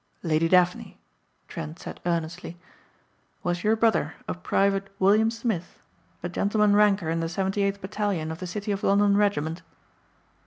"Lady Daphne," Trent said earnestly. "Was your brother a Private William Smith, a gentleman ranker in the seventy eighth battalion of the City of London Regiment?"